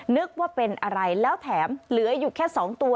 นึกว่าเป็นอะไรแล้วแถมเหลืออยู่แค่๒ตัว